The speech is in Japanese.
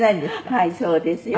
はいそうですよ。